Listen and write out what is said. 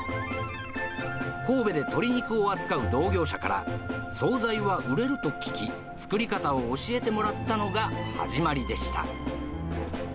神戸で鶏肉を扱う同業者から総菜は売れると聞き、作り方を教えてもらったのが始まりでした。